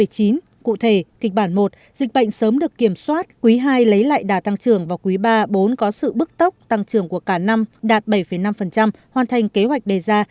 cụ thể kịch bản một dịch bệnh sớm được kiểm soát quý ii lấy lại đà tăng trưởng và quý iii bốn có sự bức tốc tăng trưởng của cả năm đạt bảy năm hoàn thành kế hoạch đề ra